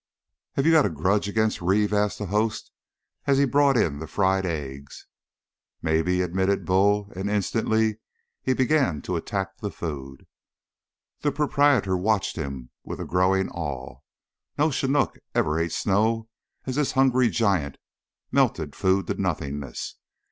"Have you got a grudge agin' Reeve?" asked the host, as he brought in the fried eggs. "Maybe," admitted Bull, and instantly he began to attack the food. The proprietor watched with a growing awe. No chinook ever ate snow as this hungry giant melted food to nothingness.